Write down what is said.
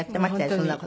そんな事。